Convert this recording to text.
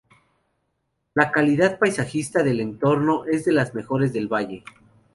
La calidad paisajística del entorno es de las mejores del valle.